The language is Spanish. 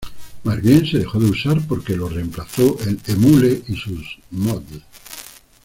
Más bien se dejó de usar porque lo reemplazó el eMule y sus Mods.